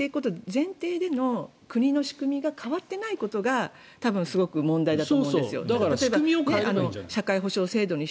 前提での国の仕組みが変わってないことがすごく問題だと思うんです。